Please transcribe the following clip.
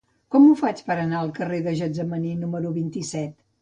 Com ho faig per anar al carrer de Getsemaní número vint-i-set?